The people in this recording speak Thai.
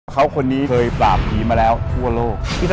เขาคนนี้เคยปราบผีมาแล้วทั่วโลก